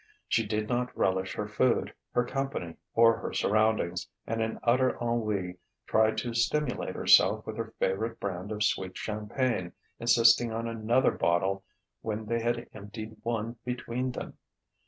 She did not relish her food, her company, or her surroundings; and in utter ennui tried to stimulate herself with her favourite brand of sweet champagne, insisting on another bottle when they had emptied one between them.